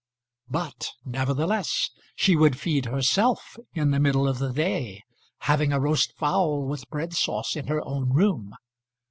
But nevertheless she would feed herself in the middle of the day, having a roast fowl with bread sauce in her own room.